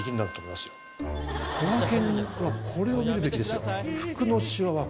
この辺これを見るべきですよ。